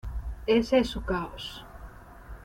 Ese es su caos.